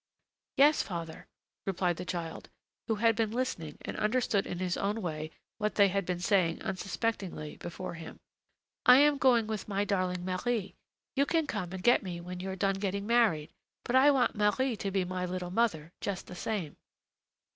"Yes, father," replied the child, who had been listening and understood in his own way what they had been saying unsuspectingly before him. "I am going with my darling Marie: you can come and get me when you're done getting married; but I want Marie to be my little mother, just the same."